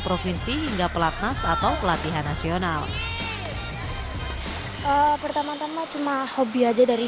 provinsi hingga pelacnat atau pelatihan nasional mengisi iivatdit pertama tama cuma hobi aje dari